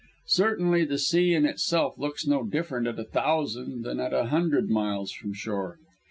Certainly the sea in itself looks no different at a thousand than at a hundred miles from shore.